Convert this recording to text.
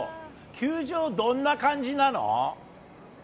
球場、どんな感じなの？